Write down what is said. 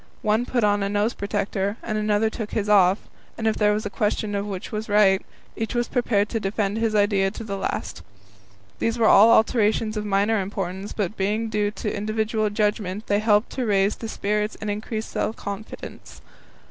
One put on a nose protector; another took his off; and if there was a question of which was right, each was prepared to defend his idea to the last. These were all alterations of minor importance, but being due to individual judgment, they helped to raise the spirits and increase self confidence.